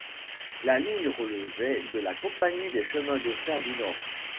La ligne relevait de la Compagnie des chemins de fer du Nord.